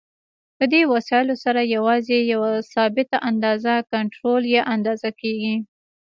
په دې وسایلو سره یوازې یوه ثابته اندازه کنټرول یا اندازه کېږي.